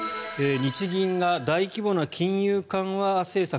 日銀が大規模な金融緩和政策